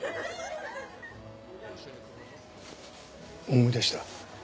思い出した。